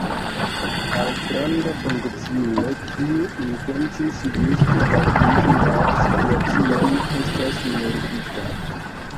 Altranga funkciulo, kiu intencis juste ordigi la situacion, estas murdita.